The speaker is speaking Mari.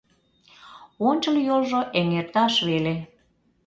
Ончыл йолжо эҥерташ веле.